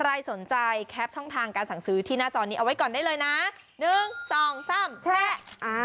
ใครสนใจแคปช่องทางการสั่งซื้อที่หน้าจอนี้เอาไว้ก่อนได้เลยนะ๑๒๓แชะ